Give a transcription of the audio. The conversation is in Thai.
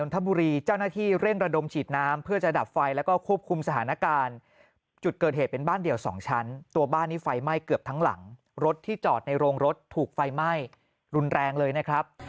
คุณคิณน่ากลัวมากนะครับคุณคิณน่ากลัวมากนะครับ